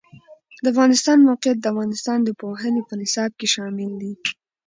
د افغانستان د موقعیت د افغانستان د پوهنې نصاب کې شامل دي.